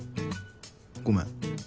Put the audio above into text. ごめん。